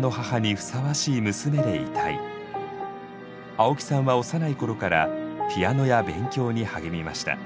青木さんは幼い頃からピアノや勉強に励みました。